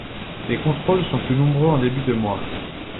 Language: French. Les contrôles sont plus nombreux en début de mois.